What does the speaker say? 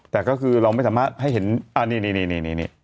แต่ก็คือเราไม่สามารถให้เห็นนี่